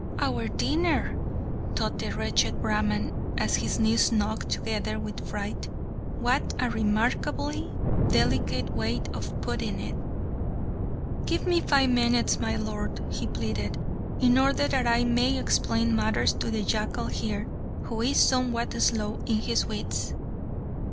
"Our dinner!" thought the wretched Brahman, as his knees knocked together with fright; "what a remarkably delicate way of putting it!" "Give me five minutes, my lord!" he pleaded, "in order that I may explain matters to the jackal here, who is somewhat slow in his wits."